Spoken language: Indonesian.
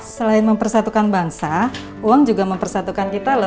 selain mempersatukan bangsa uang juga mempersatukan kita loh